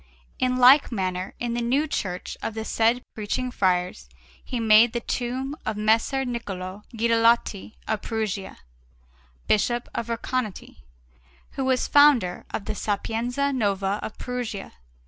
In like manner, in the new church of the said Preaching Friars he made the tomb of Messer Niccolò Guidalotti of Perugia, Bishop of Recanati, who was founder of the Sapienza Nuova of Perugia.